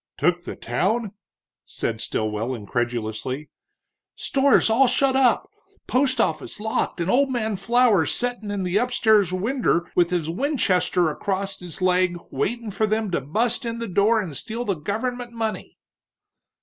"Took the town?" said Stilwell, incredulously. "Stores all shut up, post office locked and old man Flower settin' in the upstairs winder with his Winchester across his leg waitin' for them to bust in the door and steal the gover'ment money!"